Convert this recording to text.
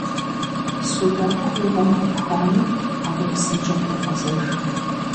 Судакъыр и гъуэм Ӏупхуами, абы псынщӀэу къегъэзэж.